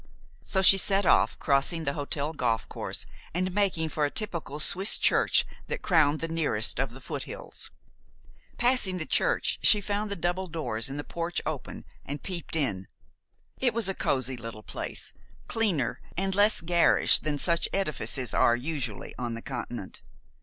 So she set off, crossing the hotel golf course, and making for a typical Swiss church that crowned the nearest of the foothills. Passing the church, she found the double doors in the porch open, and peeped in. It was a cozy little place, cleaner and less garish than such edifices are usually on the Continent.